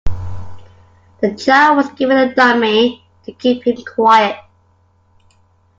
The child was given a dummy to keep him quiet